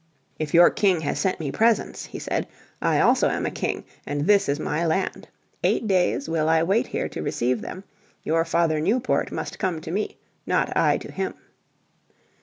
"If your King has sent me presents," he said, "I also am a king, and this is my land. Eight days will I wait here to receive them. Your Father Newport must come to me, not I to him."